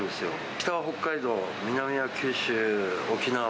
北は北海道、南は九州、沖縄。